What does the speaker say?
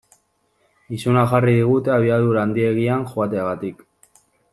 Izuna jarri digute abiadura handiegian joateagatik.